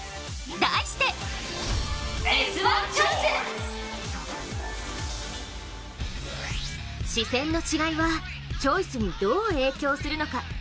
題して視線の違いはチョイスにどう影響するのか。